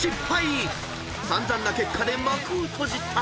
［散々な結果で幕を閉じた］